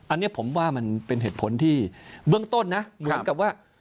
อันนี้ผมว่ามันเป็นเหตุผลที่เบื้องต้นนะเหมือนกับว่า